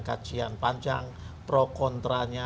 kajian panjang pro kontra